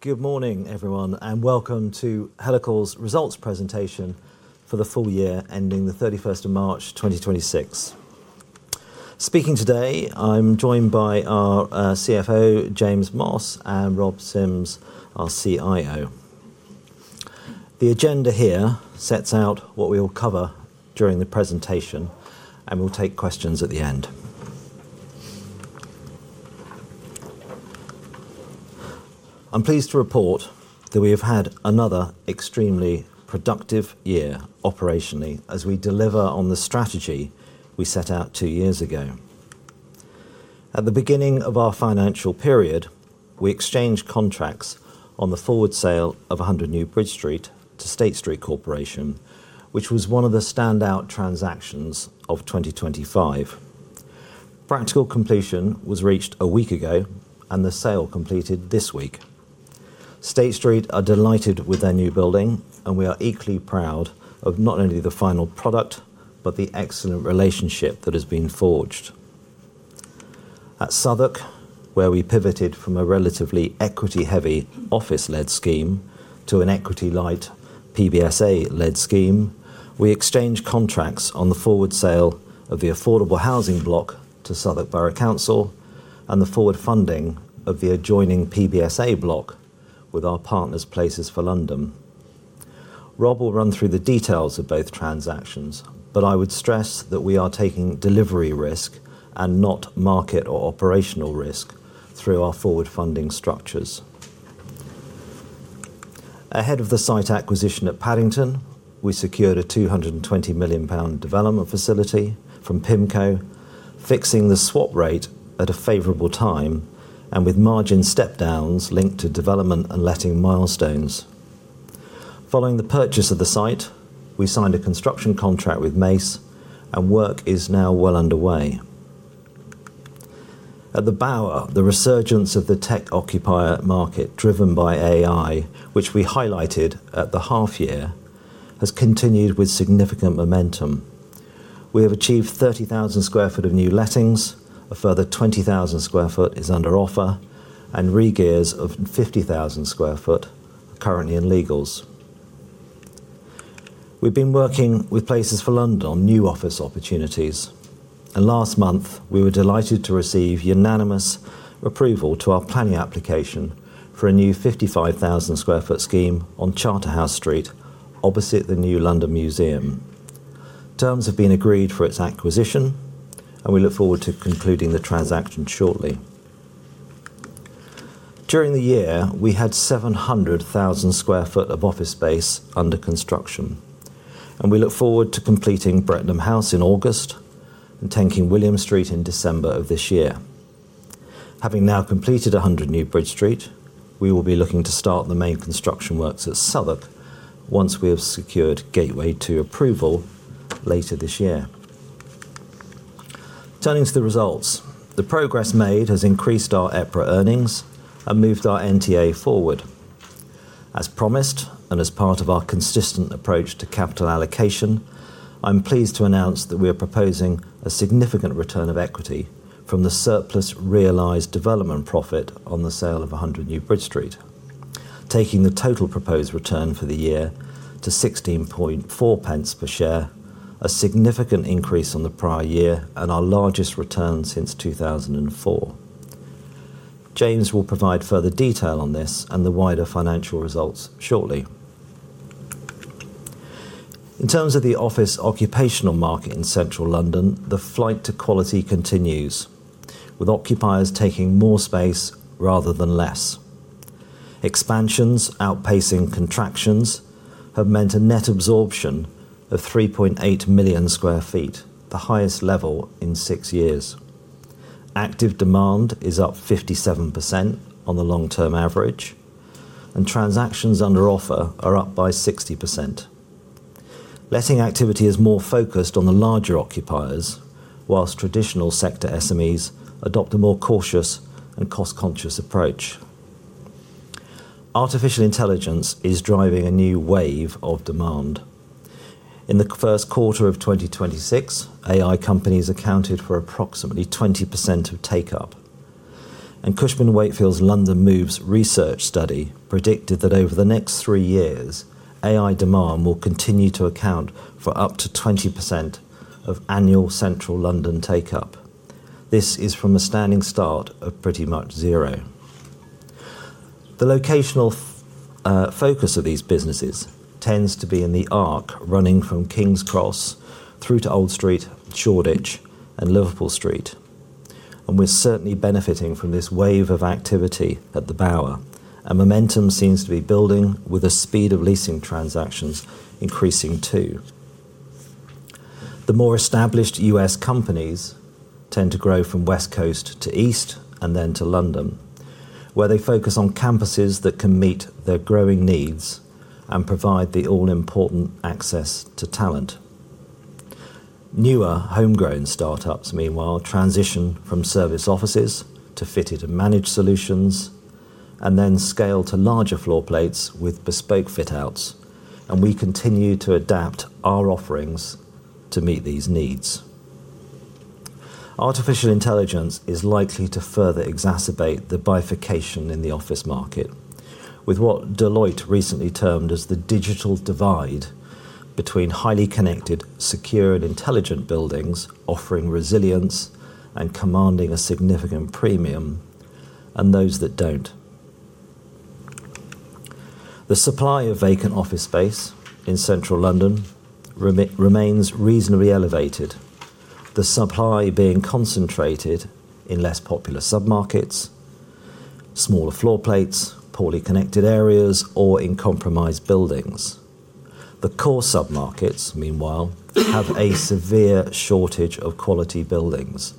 Good morning, everyone, and welcome to Helical's results presentation for the full year ending the 31st of March 2026. Speaking today, I'm joined by our CFO, James Moss, and Rob Sims, our CIO. The agenda here sets out what we will cover during the presentation, and we'll take questions at the end. I'm pleased to report that we have had another extremely productive year operationally as we deliver on the strategy we set out two years ago. At the beginning of our financial period, we exchanged contracts on the forward sale of 100 New Bridge Street to State Street Corporation, which was one of the standout transactions of 2025. Practical completion was reached a week ago, and the sale completed this week. State Street are delighted with their new building, and we are equally proud of not only the final product, but the excellent relationship that has been forged. At Southwark, where we pivoted from a relatively equity-heavy office-led scheme to an equity-light PBSA-led scheme, we exchanged contracts on the forward sale of the affordable housing block to Southwark Borough Council and the forward funding of the adjoining PBSA block with our partners, Places for London. Rob will run through the details of both transactions. I would stress that we are taking delivery risk and not market or operational risk through our forward funding structures. Ahead of the site acquisition at Paddington, we secured a 220 million pound development facility from PIMCO, fixing the swap rate at a favorable time and with margin step downs linked to development and letting milestones. Following the purchase of the site, we signed a construction contract with Mace. Work is now well underway. At The Bower, the resurgence of the tech occupier market driven by AI, which we highlighted at the half year, has continued with significant momentum. We have achieved 30,000 sq ft of new lettings, a further 20,000 sq ft is under offer, and re-gears of 50,000 sq ft are currently in legals. We've been working with Places for London on new office opportunities, and last month we were delighted to receive unanimous approval to our planning application for a new 55,000 sq ft scheme on Charterhouse Street opposite the new London Museum. Terms have been agreed for its acquisition, and we look forward to concluding the transaction shortly. During the year, we had 700,000 sq ft of office space under construction. We look forward to completing Brettenham House in August and 10 King William Street in December of this year. Having now completed 100 New Bridge Street, we will be looking to start the main construction works at Southwark once we have secured Gateway 2 approval later this year. Turning to the results. The progress made has increased our EPRA earnings and moved our NTA forward. As promised, and as part of our consistent approach to capital allocation, I'm pleased to announce that we are proposing a significant return of equity from the surplus realized development profit on the sale of 100 New Bridge Street, taking the total proposed return for the year to 0.164 per share, a significant increase on the prior year and our largest return since 2004. James will provide further detail on this and the wider financial results shortly. In terms of the office occupational market in Central London, the flight to quality continues, with occupiers taking more space rather than less. Expansions outpacing contractions have meant a net absorption of 3.8 million sq ft, the highest level in six years. Active demand is up 57% on the long-term average, transactions under offer are up by 60%. Letting activity is more focused on the larger occupiers, whilst traditional sector SMEs adopt a more cautious and cost-conscious approach. Artificial intelligence is driving a new wave of demand. In the first quarter of 2026, AI companies accounted for approximately 20% of take-up. Cushman & Wakefield's London Moves research study predicted that over the next three years, AI demand will continue to account for up to 20% of annual Central London take-up. This is from a standing start of pretty much zero. The locational focus of these businesses tends to be in the arc running from King's Cross through to Old Street, Shoreditch, and Liverpool Street. We're certainly benefiting from this wave of activity at The Bower. A momentum seems to be building with the speed of leasing transactions increasing, too. The more established US companies tend to grow from West Coast to East and then to London, where they focus on campuses that can meet their growing needs and provide the all-important access to talent. Newer homegrown startups, meanwhile, transition from serviced offices to fitted and managed solutions and then scale to larger floor plates with bespoke fit outs, and we continue to adapt our offerings to meet these needs. Artificial intelligence is likely to further exacerbate the bifurcation in the office market with what Deloitte recently termed as the digital divide between highly connected, secure, and intelligent buildings offering resilience and commanding a significant premium, and those that don't. The supply of vacant office space in Central London remains reasonably elevated, the supply being concentrated in less popular sub-markets, smaller floor plates, poorly connected areas, or in compromised buildings. The core sub-markets, meanwhile, have a severe shortage of quality buildings,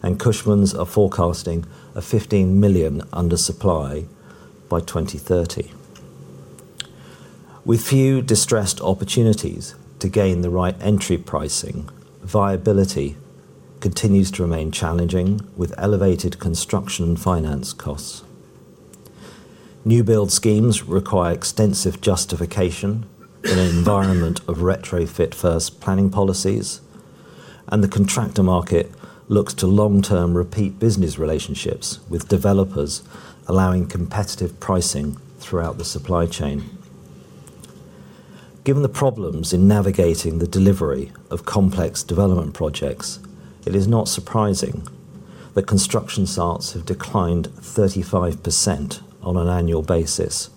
and Cushman are forecasting a 15 million undersupply by 2030. With few distressed opportunities to gain the right entry pricing, viability continues to remain challenging, with elevated construction and finance costs. New build schemes require extensive justification in an environment of retrofit-first planning policies, and the contractor market looks to long-term repeat business relationships with developers, allowing competitive pricing throughout the supply chain. Given the problems in navigating the delivery of complex development projects, it is not surprising that construction starts have declined 35% on an annual basis,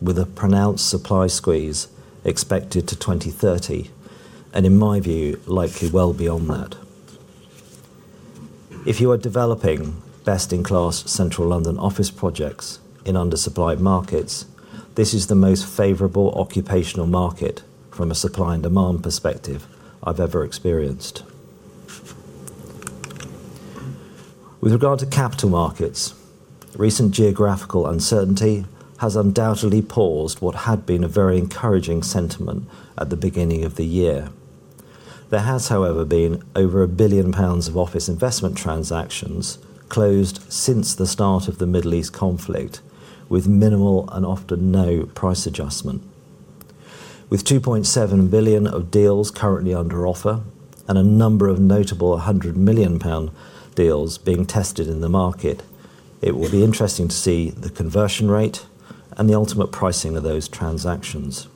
with a pronounced supply squeeze expected to 2030, and in my view, likely well beyond that. If you are developing best-in-class Central London office projects in undersupplied markets, this is the most favorable occupational market from a supply and demand perspective I've ever experienced. With regard to capital markets, recent geographical uncertainty has undoubtedly paused what had been a very encouraging sentiment at the beginning of the year. There has, however, been over 1 billion pounds of office investment transactions closed since the start of the Middle East conflict, with minimal and often no price adjustment. With 2.7 billion of deals currently under offer and a number of notable 100 million pound deals being tested in the market, it will be interesting to see the conversion rate and the ultimate pricing of those transactions.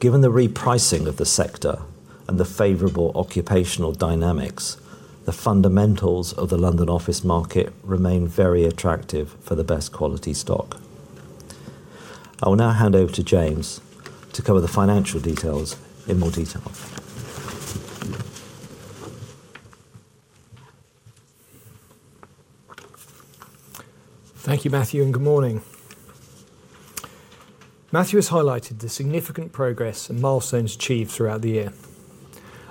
Given the repricing of the sector and the favorable occupational dynamics, the fundamentals of the London office market remain very attractive for the best quality stock. I will now hand over to James to cover the financial details in more detail. Thank you, Matthew. Good morning. Matthew has highlighted the significant progress and milestones achieved throughout the year.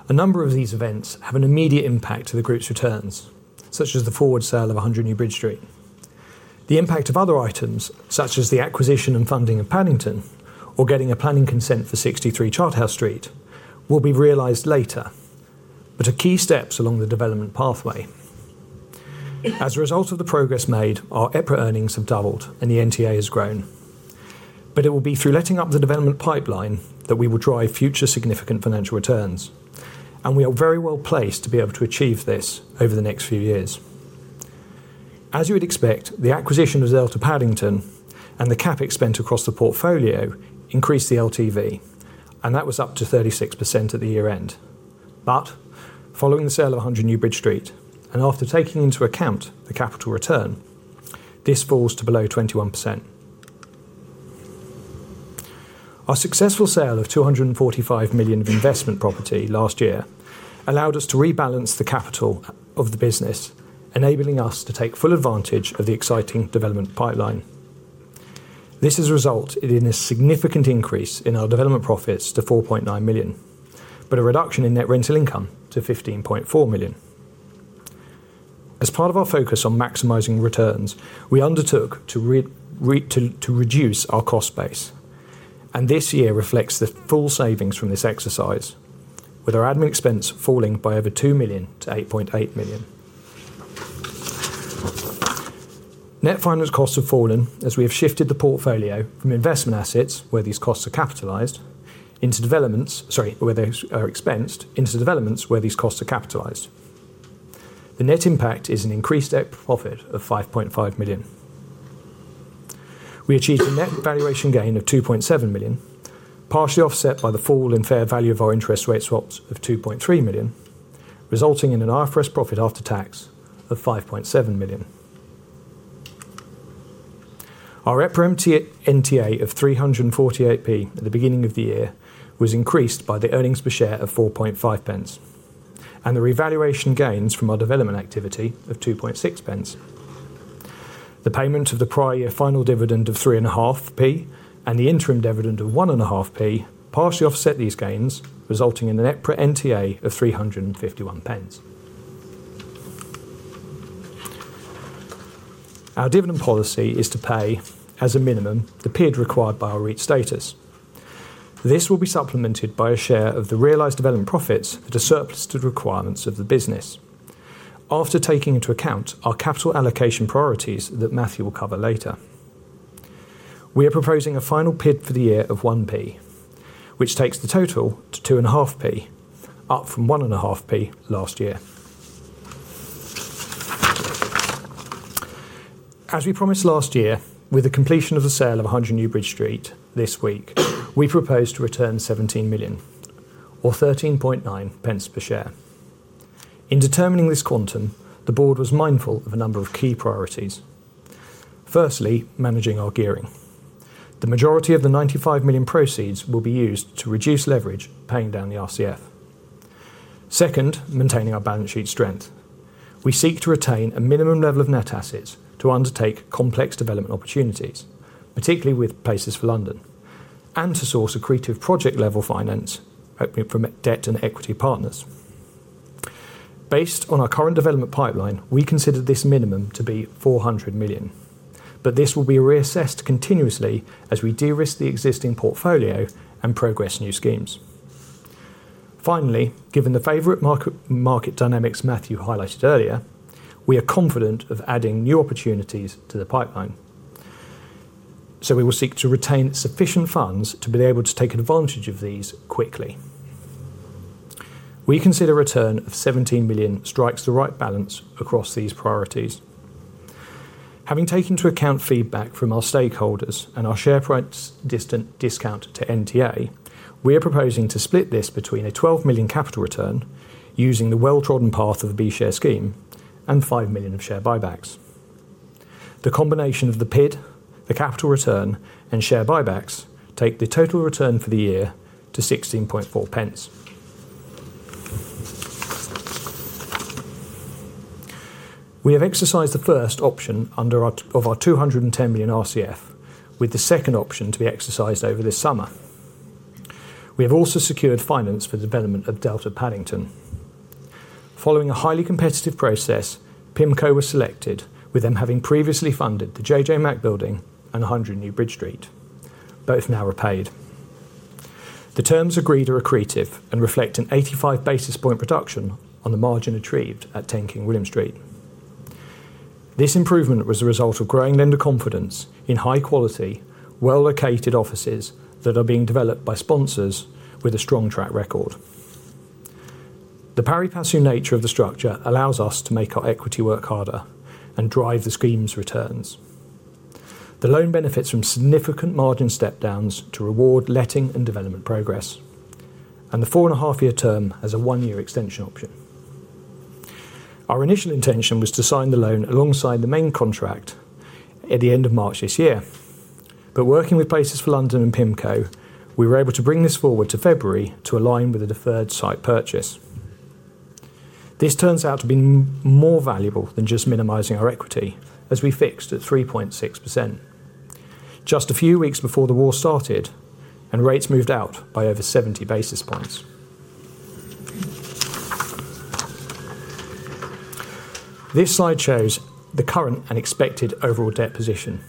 A number of these events have an immediate impact to the group's returns, such as the forward sale of 100 New Bridge Street. The impact of other items, such as the acquisition and funding of Paddington, or getting a planning consent for 63 Charterhouse Street, will be realized later, but are key steps along the development pathway. As a result of the progress made, our EPRA earnings have doubled and the NTA has grown. It will be through letting up the development pipeline that we will drive future significant financial returns, and we are very well-placed to be able to achieve this over the next few years. As you would expect, the acquisition of Delta Paddington and the CapEx spent across the portfolio increased the LTV, and that was up to 36% at the year-end. Following the sale of 100 New Bridge Street, and after taking into account the capital return, this falls to below 21%. Our successful sale of 245 million of investment property last year allowed us to rebalance the capital of the business, enabling us to take full advantage of the exciting development pipeline. This has resulted in a significant increase in our development profits to 4.9 million, but a reduction in net rental income to 15.4 million. As part of our focus on maximizing returns, we undertook to reduce our cost base, and this year reflects the full savings from this exercise, with our admin expense falling by over 2 million to 8.8 million. Net finance costs have fallen as we have shifted the portfolio from investment assets, sorry, where they are expensed, into developments where these costs are capitalized. The net impact is an increased EPRA profit of 5.5 million. We achieved a net valuation gain of 2.7 million, partially offset by the fall in fair value of our interest rate swaps of 2.3 million, resulting in an IFRS profit after tax of 5.7 million. Our EPRA NTA of 3.48 at the beginning of the year was increased by the earnings per share of 0.045 and the revaluation gains from our development activity of 0.026. The payment of the prior year final dividend of 0.035 and the interim dividend of 0.015 partially offset these gains, resulting in an EPRA NTA of 3.51. Our dividend policy is to pay, as a minimum, the PID required by our REIT status. This will be supplemented by a share of the realized development profits that are surplus to the requirements of the business. After taking into account our capital allocation priorities that Matthew will cover later. We are proposing a final PID for the year of 0.01, which takes the total to 0.025, up from 0.015 last year. As we promised last year, with the completion of the sale of 100 New Bridge Street this week, we propose to return 17 million, or 0.139 per share. In determining this quantum, the board was mindful of a number of key priorities. Firstly, managing our gearing. The majority of the 95 million proceeds will be used to reduce leverage, paying down the RCF. Second, maintaining our balance sheet strength. We seek to retain a minimum level of net assets to undertake complex development opportunities, particularly with Places for London, and to source accretive project-level finance, hopefully from debt and equity partners. Based on our current development pipeline, we consider this minimum to be 400 million, but this will be reassessed continuously as we de-risk the existing portfolio and progress new schemes. Finally, given the favorite market dynamics Matthew highlighted earlier, we are confident of adding new opportunities to the pipeline. We will seek to retain sufficient funds to be able to take advantage of these quickly. We consider a return of 17 million strikes the right balance across these priorities. Having taken into account feedback from our stakeholders and our share price discount to NTA, we are proposing to split this between a 12 million capital return, using the well-trodden path of the B share scheme, and 5 million of share buybacks. The combination of the PID, the capital return, and share buybacks take the total return for the year to 0.164. We have exercised the first option of our 210 million RCF, with the second option to be exercised over this summer. We have also secured finance for the development of Delta Paddington. Following a highly competitive process, PIMCO was selected, with them having previously funded The JJ Mack Building and 100 New Bridge Street, both now repaid. The terms agreed are accretive and reflect an 85 basis point reduction on the margin retrieved at 10 King William Street. This improvement was a result of growing lender confidence in high quality, well-located offices that are being developed by sponsors with a strong track record. The pari passu nature of the structure allows us to make our equity work harder and drive the scheme's returns. The loan benefits from significant margin step downs to reward letting and development progress, and the 4.5-year term has a one-year extension option. Our initial intention was to sign the loan alongside the main contract at the end of March this year. Working with Places for London and PIMCO, we were able to bring this forward to February to align with the deferred site purchase. This turns out to be more valuable than just minimizing our equity, as we fixed at 3.6%, just a few weeks before the war started and rates moved out by over 70 basis points. This slide shows the current and expected overall debt position.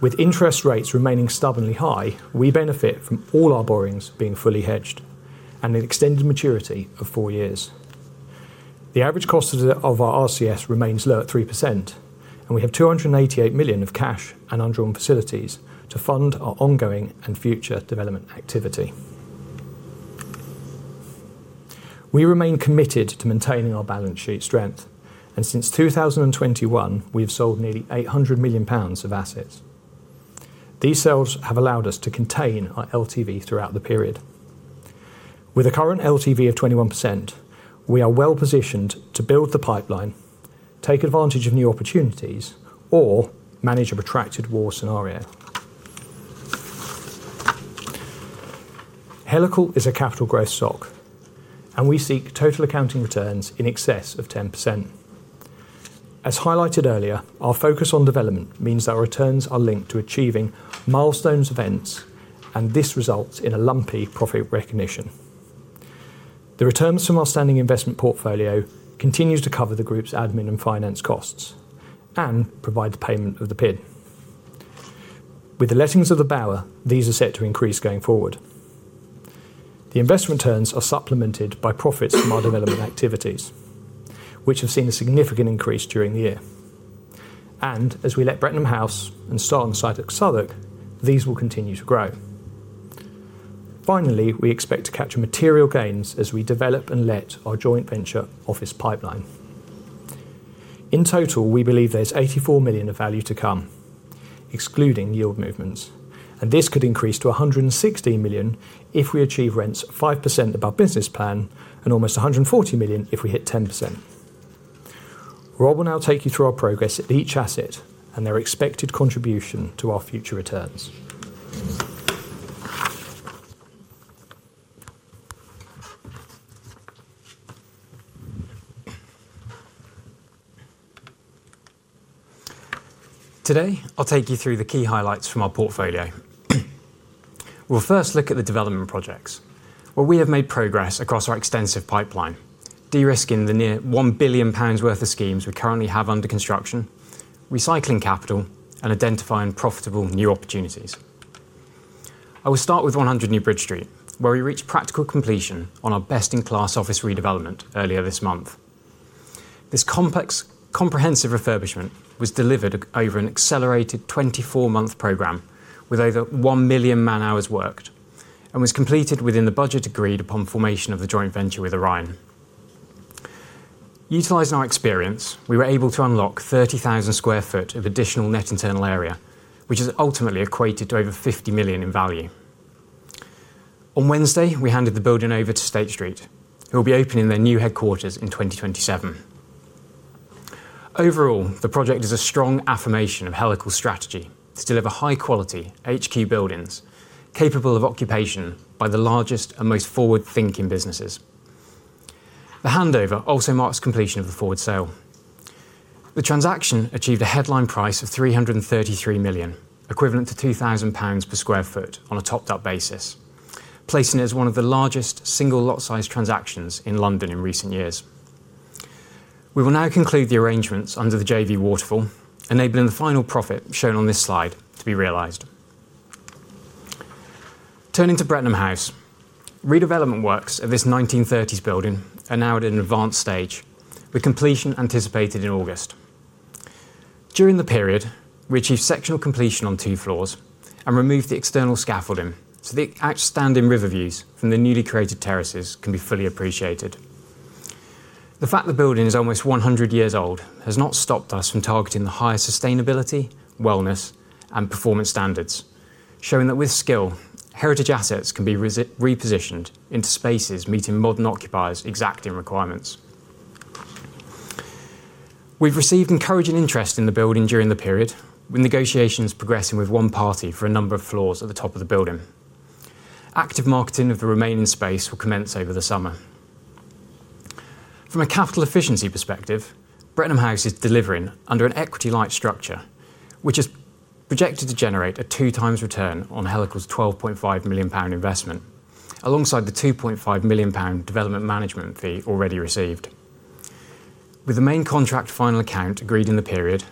With interest rates remaining stubbornly high, we benefit from all our borrowings being fully hedged and an extended maturity of four years. The average cost of our RCFs remains low at 3%, and we have 288 million of cash and undrawn facilities to fund our ongoing and future development activity. We remain committed to maintaining our balance sheet strength, and since 2021, we've sold nearly 800 million pounds of assets. These sales have allowed us to contain our LTV throughout the period. With a current LTV of 21%, we are well-positioned to build the pipeline, take advantage of new opportunities, or manage a protracted war scenario. Helical is a capital growth stock, and we seek total accounting returns in excess of 10%. As highlighted earlier, our focus on development means that our returns are linked to achieving milestone events, and this results in a lumpy profit recognition. The returns from our standing investment portfolio continue to cover the group's admin and finance costs and provide the payment of the PID. With the lettings of The Bower, these are set to increase going forward. The investment returns are supplemented by profits from our development activities, which have seen a significant increase during the year. As we let Brettenham House and start on Southwark, these will continue to grow. Finally, we expect to capture material gains as we develop and let our joint venture office pipeline. In total, we believe there's 84 million of value to come, excluding yield movements, and this could increase to 116 million if we achieve rents 5% above business plan, and almost 140 million if we hit 10%. Rob will now take you through our progress at each asset and their expected contribution to our future returns. Today, I'll take you through the key highlights from our portfolio. We'll first look at the development projects, where we have made progress across our extensive pipeline, de-risking the near 1 billion pounds worth of schemes we currently have under construction, recycling capital, and identifying profitable new opportunities. I will start with 100 New Bridge Street, where we reached practical completion on our best-in-class office redevelopment earlier this month. This comprehensive refurbishment was delivered over an accelerated 24-month program with over 1 million man-hours worked, and was completed within the budget agreed upon formation of the joint venture with Orion. Utilizing our experience, we were able to unlock 30,000 sq ft of additional net internal area, which has ultimately equated to over 50 million in value. On Wednesday, we handed the building over to State Street, who will be opening their new headquarters in 2027. Overall, the project is a strong affirmation of Helical's strategy to deliver high-quality HQ buildings capable of occupation by the largest and most forward-thinking businesses. The handover also marks completion of the forward sale. The transaction achieved a headline price of 333 million, equivalent to 2,000 pounds/sq ft on a topped-up basis, placing it as one of the largest single lot size transactions in London in recent years. We will now conclude the arrangements under the JV waterfall, enabling the final profit shown on this slide to be realized. Turning to Brettenham House, redevelopment works of this 1930s building are now at an advanced stage, with completion anticipated in August. During the period, we achieved sectional completion on two floors and removed the external scaffolding so the outstanding river views from the newly created terraces can be fully appreciated. The fact the building is almost 100 years old has not stopped us from targeting the highest sustainability, wellness, and performance standards, showing that with skill, heritage assets can be repositioned into spaces meeting modern occupiers' exacting requirements. We've received encouraging interest in the building during the period, with negotiations progressing with one party for a number of floors at the top of the building. Active marketing of the remaining space will commence over the summer. From a capital efficiency perspective, Brettenham House is delivering under an equity-light structure, which is projected to generate a 2x return on Helical's 12.5 million pound investment, alongside the 2.5 million pound development management fee already received. With the main contract final account agreed in the period,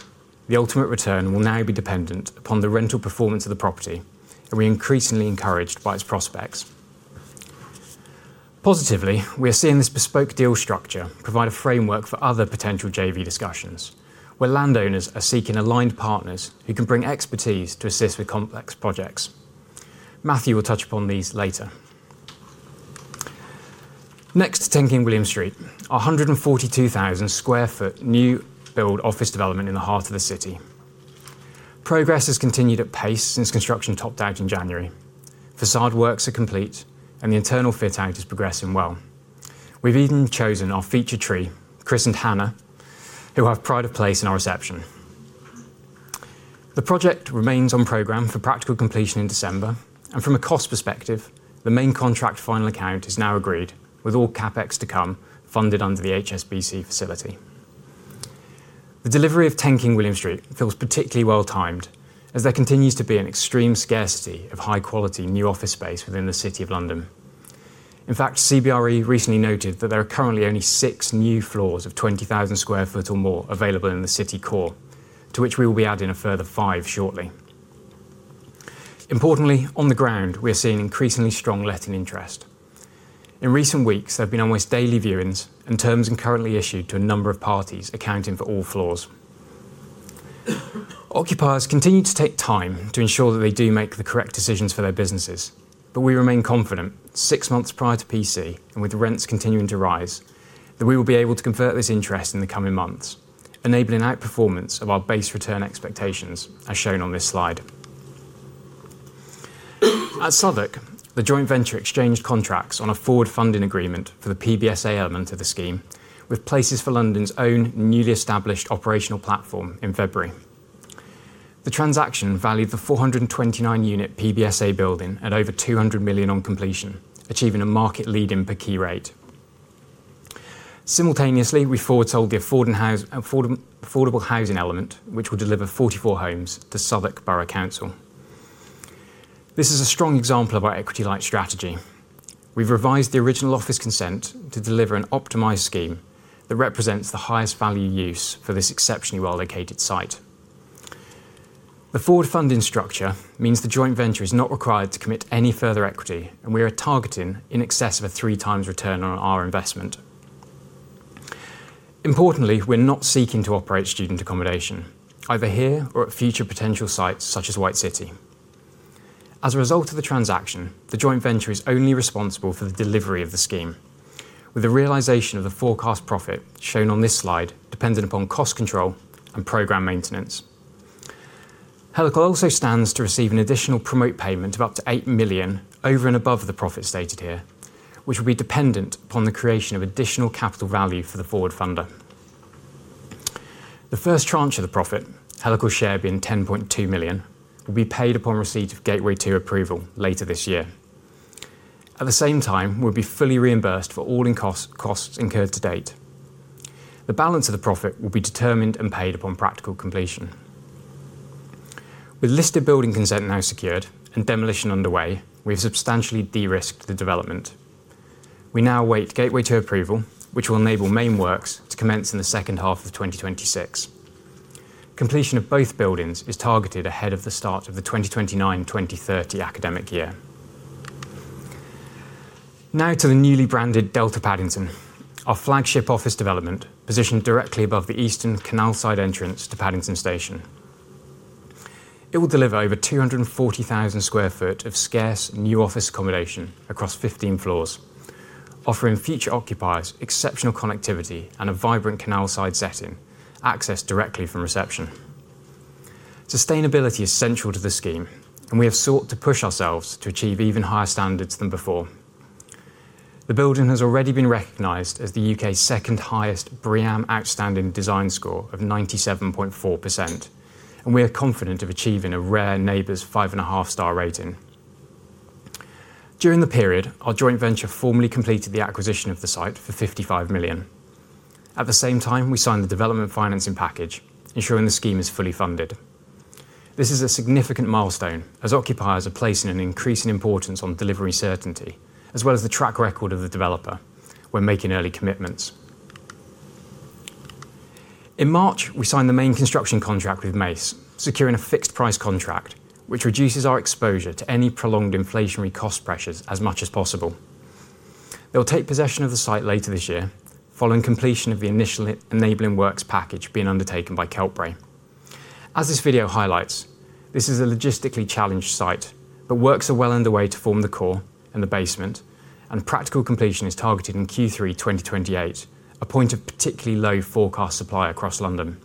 the ultimate return will now be dependent upon the rental performance of the property, and we are increasingly encouraged by its prospects. Positively, we are seeing this bespoke deal structure provide a framework for other potential JV discussions, where landowners are seeking aligned partners who can bring expertise to assist with complex projects. Matthew will touch upon these later. Next to 10 King William Street, a 142,000 sq ft new build office development in the heart of the city. Progress has continued at pace since construction topped out in January. Façade works are complete, and the internal fit-out is progressing well. We've even chosen our feature tree, Chris and Hannah, who have pride of place in our reception. The project remains on program for practical completion in December, and from a cost perspective, the main contract final account is now agreed, with all CapEx to come funded under the HSBC facility. The delivery of 10 King William Street feels particularly well-timed as there continues to be an extreme scarcity of high-quality new office space within the City of London. In fact, CBRE recently noted that there are currently only six new floors of 20,000 sq ft or more available in the city core, to which we will be adding a further five shortly. Importantly, on the ground, we are seeing increasingly strong letting interest. In recent weeks, there have been almost daily viewings, and terms been currently issued to a number of parties, accounting for all floors. Occupiers continue to take time to ensure that they do make the correct decisions for their businesses, but we remain confident, six months prior to PC and with rents continuing to rise, that we will be able to convert this interest in the coming months, enabling outperformance of our base return expectations, as shown on this slide. At Southwark, the joint venture exchanged contracts on a forward funding agreement for the PBSA element of the scheme with Places for London's own newly established operational platform in February. The transaction valued the 429-unit PBSA building at over 200 million on completion, achieving a market-leading per key rate. Simultaneously, we forward sold the affordable housing element, which will deliver 44 homes to Southwark London Borough Council. This is a strong example of our equity-light strategy. We've revised the original office consent to deliver an optimized scheme that represents the highest value use for this exceptionally well-located site. The forward funding structure means the joint venture is not required to commit any further equity, and we are targeting in excess of a 3x return on our investment. Importantly, we're not seeking to operate student accommodation, either here or at future potential sites such as White City. As a result of the transaction, the joint venture is only responsible for the delivery of the scheme, with the realization of the forecast profit shown on this slide dependent upon cost control and program maintenance. Helical also stands to receive an additional promote payment of up to 8 million over and above the profit stated here, which will be dependent upon the creation of additional capital value for the forward funder. The first tranche of the profit, Helical's share being 10.2 million, will be paid upon receipt of Gateway 2 approval later this year. At the same time, we'll be fully reimbursed for all costs incurred to date. The balance of the profit will be determined and paid upon practical completion. With listed building consent now secured and demolition underway, we have substantially de-risked the development. We now await Gateway 2 approval, which will enable main works to commence in the second half of 2026. Completion of both buildings is targeted ahead of the start of the 2029/2030 academic year. Now to the newly branded Delta Paddington, our flagship office development positioned directly above the eastern canalside entrance to Paddington Station. It will deliver over 240,000 sq ft of scarce new office accommodation across 15 floors, offering future occupiers exceptional connectivity and a vibrant canalside setting, accessed directly from reception. Sustainability is central to the scheme, and we have sought to push ourselves to achieve even higher standards than before. The building has already been recognized as the U.K.'s second highest BREEAM Outstanding design score of 97.4%, and we are confident of achieving a rare NABERS 5.5 star rating. During the period, our joint venture formally completed the acquisition of the site for 55 million. At the same time, we signed the development financing package, ensuring the scheme is fully funded. This is a significant milestone as occupiers are placing an increasing importance on delivery certainty, as well as the track record of the developer when making early commitments. In March, we signed the main construction contract with Mace, securing a fixed price contract, which reduces our exposure to any prolonged inflationary cost pressures as much as possible. They will take possession of the site later this year, following completion of the initial enabling works package being undertaken by Keltbray. As this video highlights, this is a logistically challenged site, but works are well underway to form the core and the basement, and practical completion is targeted in Q3 2028, a point of particularly low forecast supply across London.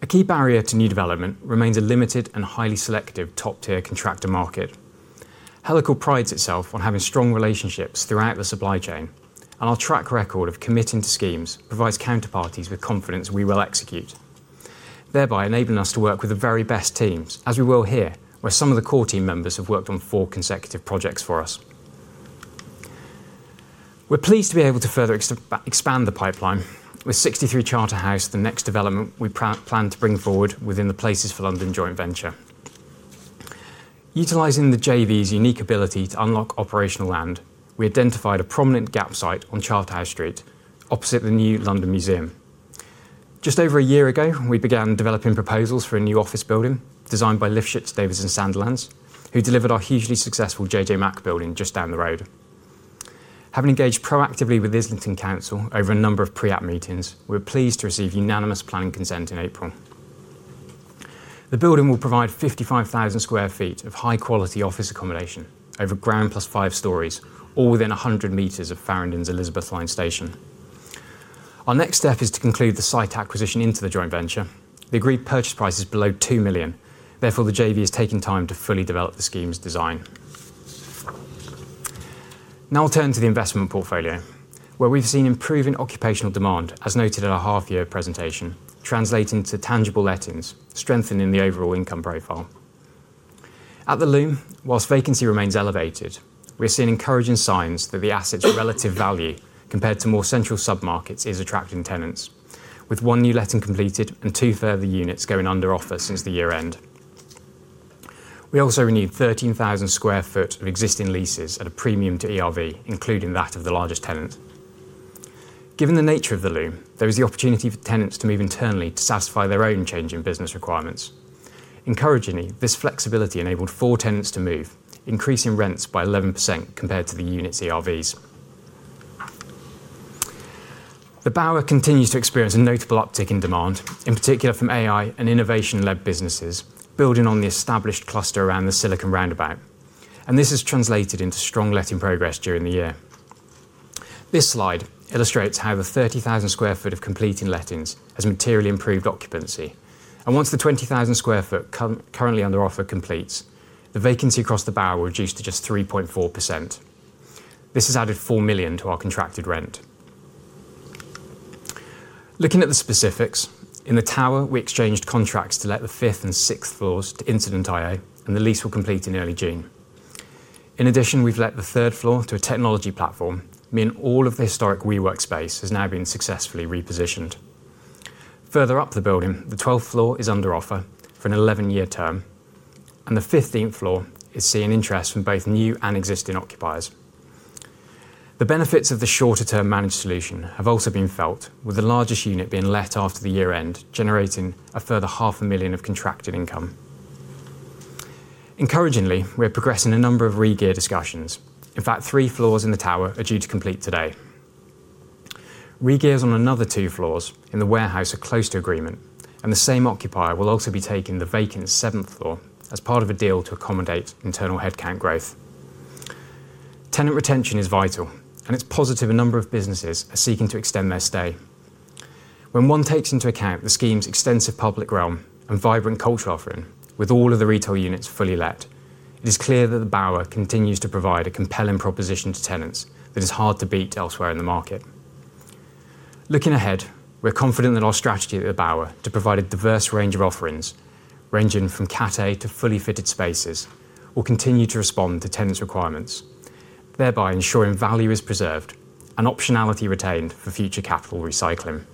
A key barrier to new development remains a limited and highly selective top-tier contractor market. Helical prides itself on having strong relationships throughout the supply chain, and our track record of committing to schemes provides counterparties with confidence we will execute, thereby enabling us to work with the very best teams as we will here, where some of the core team members have worked on four consecutive projects for us. We're pleased to be able to further expand the pipeline with 63 Charterhouse Street, the next development we plan to bring forward within the Places for London joint venture. Utilizing the JV's unique ability to unlock operational land, we identified a prominent gap site on Charterhouse Street opposite the new London Museum. Just over a year ago, we began developing proposals for a new office building designed by Lifschutz Davidson Sandilands, who delivered our hugely successful The JJ Mack Building just down the road. Having engaged proactively with Islington Council over a number of pre-app meetings, we were pleased to receive unanimous planning consent in April. The building will provide 55,000 sq ft of high-quality office accommodation over ground plus five stories, all within 100 m of Farringdon's Elizabeth line station. Our next step is to conclude the site acquisition into the joint venture. The agreed purchase price is below 2 million. The JV is taking time to fully develop the scheme's design. I'll turn to the investment portfolio, where we've seen improving occupational demand, as noted at our half year presentation, translating to tangible lettings, strengthening the overall income profile. At The Loom, whilst vacancy remains elevated, we are seeing encouraging signs that the asset's relative value compared to more central submarkets is attracting tenants, with one new letting completed and two further units going under offer since the year-end. We also renewed 13,000 sq ft of existing leases at a premium to ERV, including that of the largest tenant. Given the nature of The Loom, there is the opportunity for tenants to move internally to satisfy their own change in business requirements. Encouragingly, this flexibility enabled four tenants to move, increasing rents by 11% compared to the unit's ERVs. The Bower continues to experience a notable uptick in demand, in particular from AI and innovation-led businesses, building on the established cluster around the Silicon Roundabout. This has translated into strong letting progress during the year. This slide illustrates how the 30,000 sq ft of completing lettings has materially improved occupancy. Once the 20,000 sq ft currently under offer completes, the vacancy across The Bower will reduce to just 3.4%. This has added 4 million to our contracted rent. Looking at the specifics, in the tower, we exchanged contracts to let the fifth and sixth floors to Incident.io, and the lease will complete in early June. In addition, we've let the third floor to a technology platform, meaning all of the historic WeWork space has now been successfully repositioned. Further up the building, the 12th floor is under offer for an 11-year term, and the 15th floor is seeing interest from both new and existing occupiers. The benefits of the shorter-term managed solution have also been felt, with the largest unit being let after the year-end, generating a further 0.5 million of contracted income. Encouragingly, we are progressing a number of regear discussions. In fact, three floors in the tower are due to complete today. Re-gears on another two floors in the warehouse are close to agreement, and the same occupier will also be taking the vacant seventh floor as part of a deal to accommodate internal headcount growth. Tenant retention is vital, and it's positive a number of businesses are seeking to extend their stay. When one takes into account the scheme's extensive public realm and vibrant culture offering with all of the retail units fully let, it is clear that The Bower continues to provide a compelling proposition to tenants that is hard to beat elsewhere in the market. Looking ahead, we're confident that our strategy at The Bower to provide a diverse range of offerings, ranging from Cat A to fully fitted spaces, will continue to respond to tenants' requirements, thereby ensuring value is preserved and optionality retained for future capital recycling.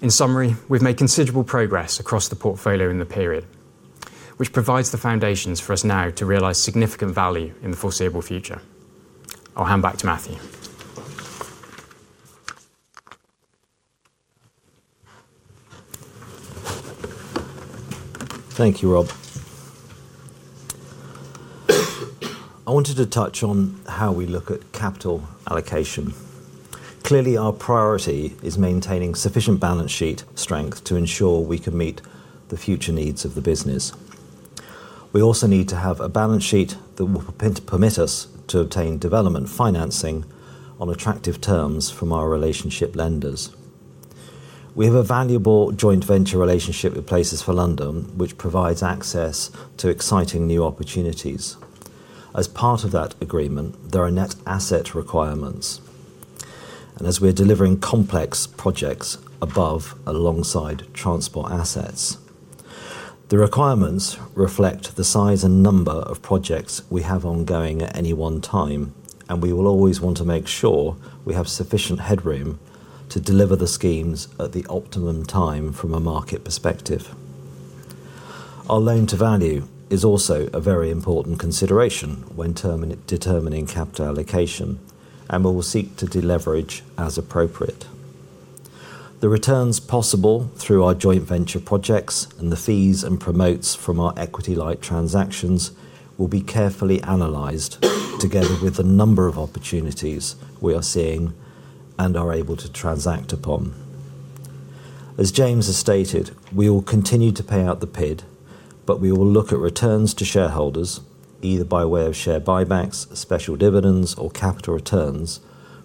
In summary, we've made considerable progress across the portfolio in the period, which provides the foundations for us now to realize significant value in the foreseeable future. I'll hand back to Matthew. Thank you, Rob. I wanted to touch on how we look at capital allocation. Clearly, our priority is maintaining sufficient balance sheet strength to ensure we can meet the future needs of the business. We also need to have a balance sheet that will permit us to obtain development financing on attractive terms from our relationship lenders. We have a valuable joint venture relationship with Places for London, which provides access to exciting new opportunities. As part of that agreement, there are net asset requirements, and as we're delivering complex projects above and alongside transport assets. The requirements reflect the size and number of projects we have ongoing at any one time, and we will always want to make sure we have sufficient headroom to deliver the schemes at the optimum time from a market perspective. Our loan-to-value is also a very important consideration when determining capital allocation, and we will seek to deleverage as appropriate. The returns possible through our joint venture projects and the fees and promotes from our equity-light transactions will be carefully analyzed together with the number of opportunities we are seeing and are able to transact upon. As James has stated, we will continue to pay out the PID, but we will look at returns to shareholders either by way of share buybacks, special dividends, or capital returns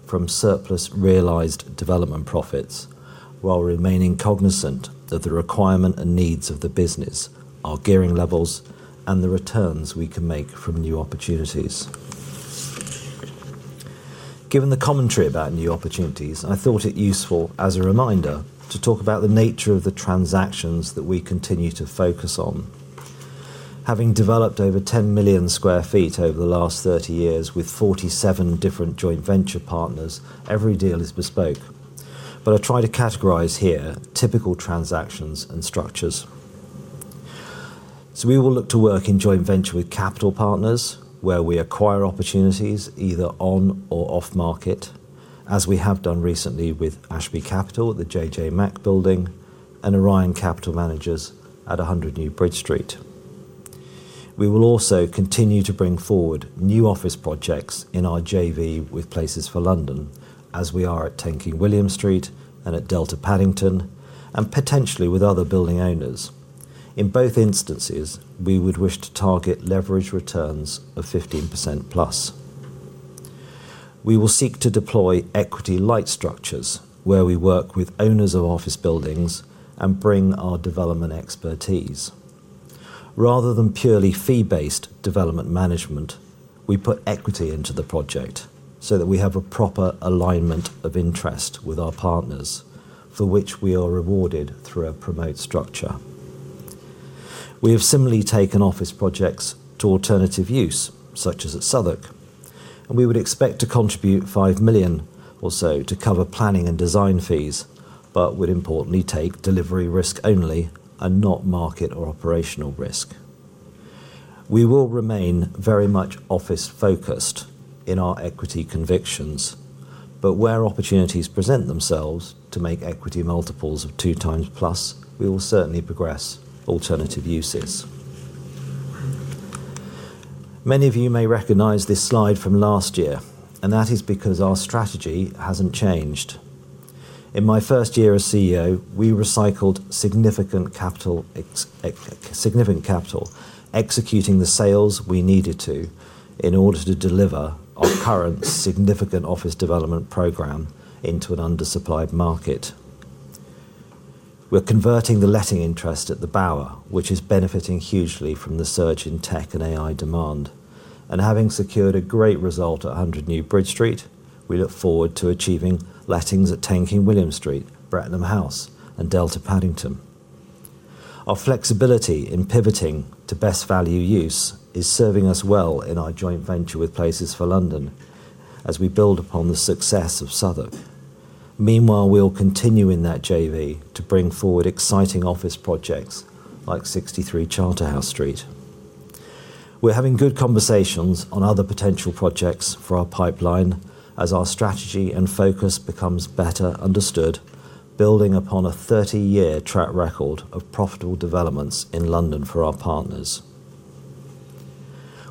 from surplus realized development profits while remaining cognizant that the requirement and needs of the business are gearing levels and the returns we can make from new opportunities. Given the commentary about new opportunities, I thought it useful as a reminder to talk about the nature of the transactions that we continue to focus on. Having developed over 10 million sq ft over the last 30 years with 47 different joint venture partners, every deal is bespoke. I try to categorize here typical transactions and structures. We will look to work in joint venture with capital partners, where we acquire opportunities either on or off market, as we have done recently with Ashby Capital, The JJ Mack Building, and Orion Capital Managers at 100 New Bridge Street. We will also continue to bring forward new office projects in our JV with Places for London, as we are at 10 King William Street and at Delta Paddington, and potentially with other building owners. In both instances, we would wish to target leverage returns of +15%. We will seek to deploy equity light structures where we work with owners of office buildings and bring our development expertise. Rather than purely fee-based development management, we put equity into the project so that we have a proper alignment of interest with our partners, for which we are rewarded through a promote structure. We have similarly taken office projects to alternative use, such as at Southwark, and we would expect to contribute 5 million or so to cover planning and design fees, but would importantly take delivery risk only and not market or operational risk. We will remain very much office focused in our equity convictions, but where opportunities present themselves to make equity multiples of +2x, we will certainly progress alternative uses. Many of you may recognize this slide from last year, and that is because our strategy hasn't changed. In my first year as CEO, we recycled significant capital, executing the sales we needed to in order to deliver our current significant office development program into an undersupplied market. We're converting the letting interest at The Bower, which is benefiting hugely from the surge in tech and AI demand. Having secured a great result at 100 New Bridge Street, we look forward to achieving lettings at 10 King William Street, Brettenham House, and Delta Paddington. Our flexibility in pivoting to best value use is serving us well in our joint venture with Places for London as we build upon the success of Southwark. Meanwhile, we'll continue in that JV to bring forward exciting office projects like 63 Charterhouse Street. We're having good conversations on other potential projects for our pipeline as our strategy and focus becomes better understood, building upon a 30-year track record of profitable developments in London for our partners.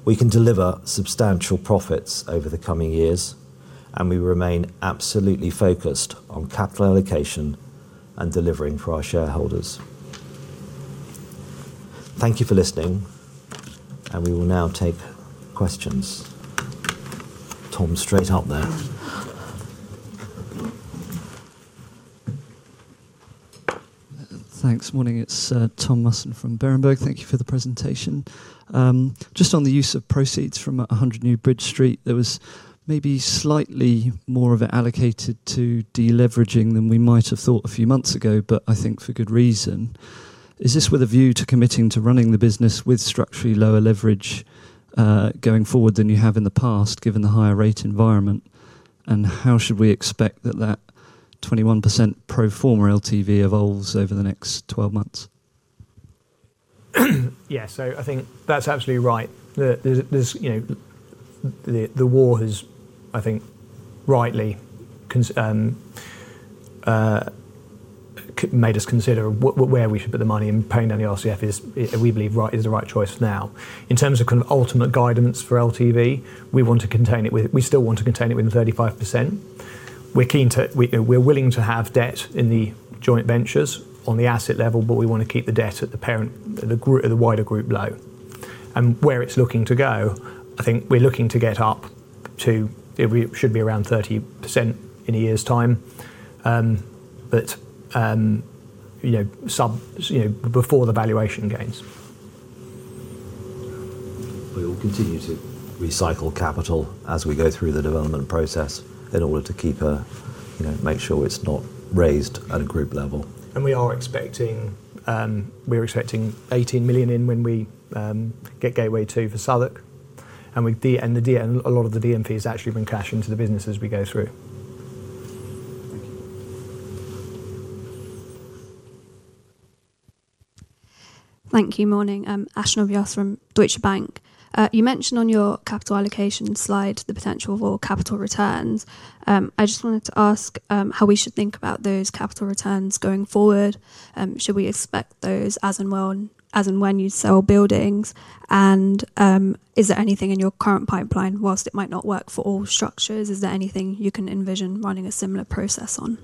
We can deliver substantial profits over the coming years, we remain absolutely focused on capital allocation and delivering for our shareholders. Thank you for listening, we will now take questions. Tom, straight up there. Thanks. Morning. It's Tom Musson from Berenberg. Thank you for the presentation. Just on the use of proceeds from 100 New Bridge Street, there was maybe slightly more of it allocated to deleveraging than we might have thought a few months ago, but I think for good reason. Is this with a view to committing to running the business with structurally lower leverage, going forward than you have in the past, given the higher rate environment? How should we expect that 21% pro forma LTV evolves over the next 12 months? I think that's absolutely right. The war has, I think, rightly made us consider where we should put the money, and paying down the RCF is, we believe, is the right choice for now. In terms of ultimate guidance for LTV, we still want to contain it within 35%. We're willing to have debt in the joint ventures on the asset level, but we want to keep the debt at the wider group low. Where it's looking to go, I think we're looking to get up to, it should be around 30% in a year's time. Before the valuation gains. We will continue to recycle capital as we go through the development process in order to make sure it is not raised at a group level. We're expecting 18 million in when we get Gateway 2 for Southwark. A lot of the DM fee has actually been cash into the business as we go through. Thank you. Morning. Ashnaa Vyas from Deutsche Bank. You mentioned on your capital allocation slide the potential for capital returns. I just wanted to ask how we should think about those capital returns going forward. Should we expect those as and when you sell buildings? Is there anything in your current pipeline, whilst it might not work for all structures, is there anything you can envision running a similar process on?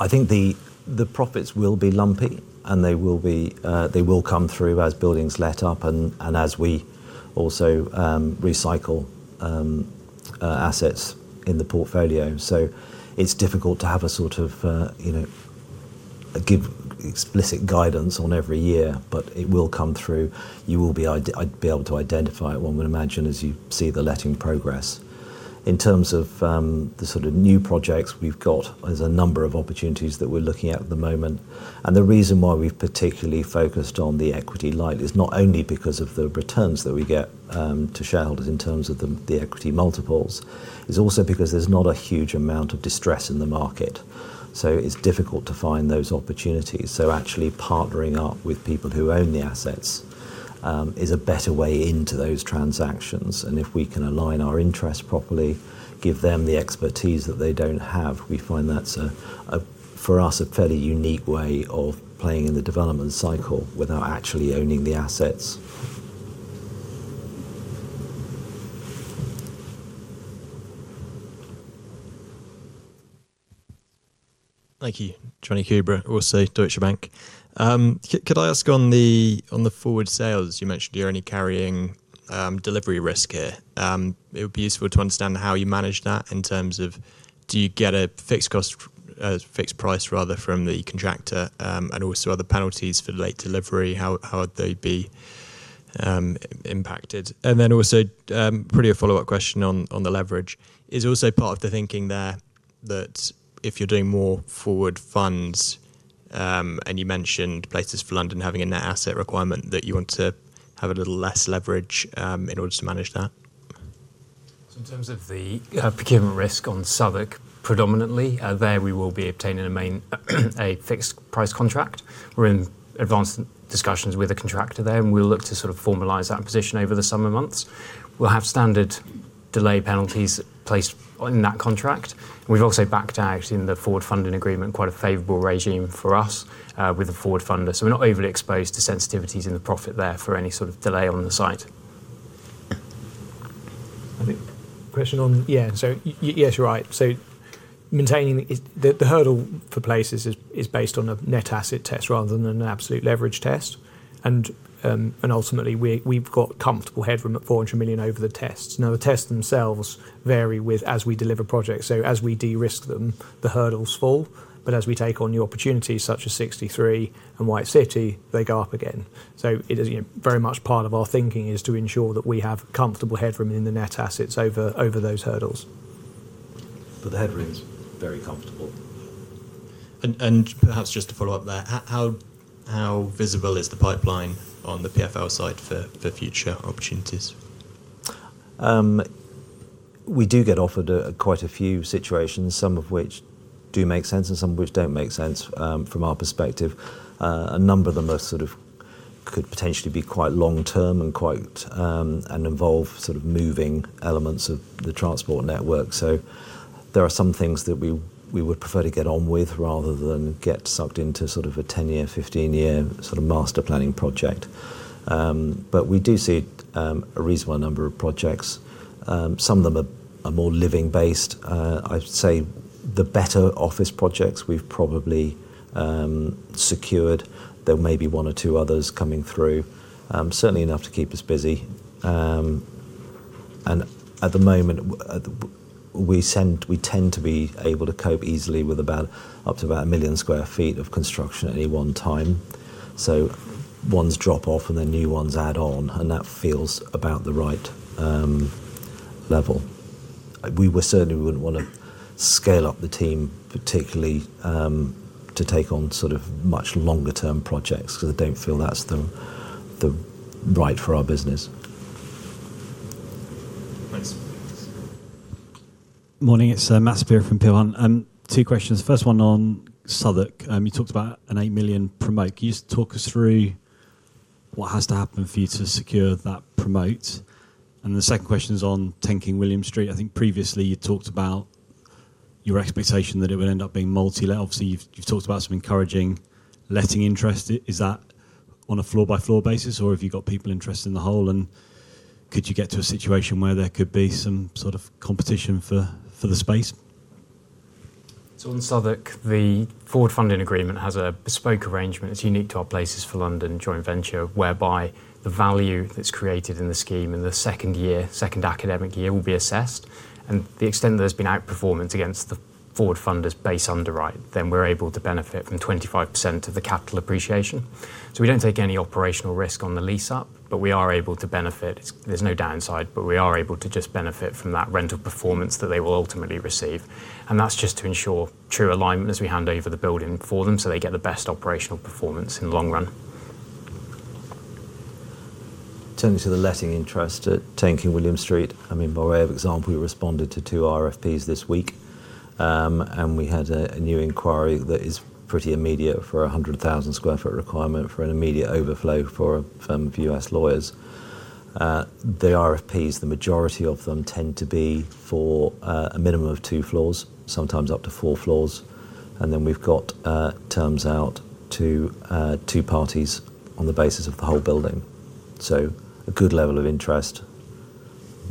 I think the profits will be lumpy, and they will come through as buildings let up and as we also recycle assets in the portfolio. It's difficult to give explicit guidance on every year, but it will come through. You will be able to identify it, one would imagine, as you see the letting progress. In terms of the sort of new projects we've got, there's a number of opportunities that we're looking at at the moment. The reason why we've particularly focused on the equity light is not only because of the returns that we get to shareholders in terms of the equity multiples, it's also because there's not a huge amount of distress in the market. It's difficult to find those opportunities. Actually partnering up with people who own the assets is a better way into those transactions. If we can align our interests properly, give them the expertise that they don't have, we find that's, for us, a fairly unique way of playing in the development cycle without actually owning the assets. Thank you. Jonny Coubrough, also Deutsche Bank. Could I ask on the forward sales, you mentioned you're only carrying delivery risk here. It would be useful to understand how you manage that in terms of, do you get a fixed price from the contractor, and also are there penalties for late delivery? How would they be impacted? Then also, probably a follow-up question on the leverage. Is also part of the thinking there that if you're doing more forward funds, and you mentioned Places for London having a net asset requirement, that you want to have a little less leverage in order to manage that? In terms of the procurement risk on Southwark, predominantly, there we will be obtaining a fixed price contract. We're in advanced discussions with a contractor there, and we'll look to sort of formalize that position over the summer months. We'll have standard delay penalties placed in that contract. We've also backed out, actually, in the forward funding agreement, quite a favorable regime for us with the forward funder. We're not overly exposed to sensitivities in the profit there for any sort of delay on the site. I think Yeah. Yes, you're right. The hurdle for Places is based on a net asset test rather than an absolute leverage test. Ultimately, we've got comfortable headroom at 400 million over the tests. Now, the tests themselves vary with as we deliver projects. As we de-risk them, the hurdles fall. As we take on new opportunities, such as 63 and White City, they go up again. Very much part of our thinking is to ensure that we have comfortable headroom in the net assets over those hurdles. The headroom's very comfortable. Perhaps just to follow up there, how visible is the pipeline on the PFL side for future opportunities? We do get offered quite a few situations, some of which do make sense and some of which don't make sense from our perspective. A number of them could potentially be quite long term and involve sort of moving elements of the transport network. There are some things that we would prefer to get on with rather than get sucked into sort of a 10-year, 15-year sort of master planning project. We do see a reasonable number of projects. Some of them are more living based. I'd say the better office projects we've probably secured. There may be one or two others coming through. Certainly enough to keep us busy. At the moment, we tend to be able to cope easily with about up to about 1 million sq ft of construction at any one time. Ones drop off and then new ones add on, and that feels about the right level. We certainly wouldn't want to scale up the team particularly to take on sort of much longer term projects because I don't feel that's the right for our business. Thanks. Morning, it's Matt Saperia from Peel Hunt. Two questions. First one on Southwark. You talked about an 8 million promote. Can you just talk us through what has to happen for you to secure that promote? The second question is on 10 King William Street. I think previously you talked about your expectation that it would end up being multi-let. Obviously, you've talked about some encouraging letting interest. Is that on a floor-by-floor basis, or have you got people interested in the whole? Could you get to a situation where there could be some sort of competition for the space? On Southwark, the forward funding agreement has a bespoke arrangement. It's unique to our Places for London joint venture, whereby the value that's created in the scheme in the second year, second academic year, will be assessed. The extent that there's been outperformance against the forward funders' base underwrite, we're able to benefit from 25% of the capital appreciation. We don't take any operational risk on the lease up, but we are able to benefit. There's no downside, but we are able to just benefit from that rental performance that they will ultimately receive. That's just to ensure true alignment as we hand over the building for them so they get the best operational performance in the long run. Turning to the letting interest at 10 King William Street, I mean, by way of example, we responded to two RFPs this week, and we had a new inquiry that is pretty immediate for 100,000 sq ft requirement for an immediate overflow for a firm of U.S. lawyers. The RFPs, the majority of them tend to be for a minimum of two floors, sometimes up to four floors. We've got terms out to two parties on the basis of the whole building. A good level of interest,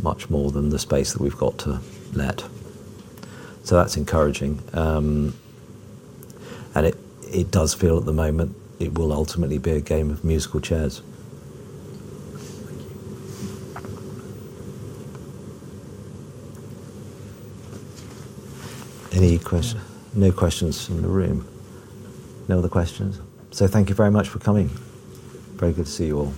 much more than the space that we've got to let. That's encouraging. It does feel at the moment it will ultimately be a game of musical chairs. Thank you. No questions from the room. No other questions? Thank you very much for coming. Very good to see you all.